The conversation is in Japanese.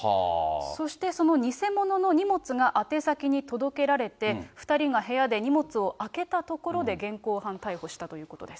そしてその偽物の荷物が宛先に届けられて、２人が部屋で荷物を開けたところで現行犯逮捕したということです。